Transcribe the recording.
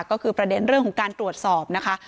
ก็คือประเด็นเรื่องของการตรวจสอบนะคะ